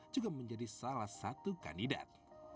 juga menjadi salah satu kandidat